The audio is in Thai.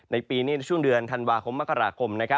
ปีนี้ในช่วงเดือนธันวาคมมกราคม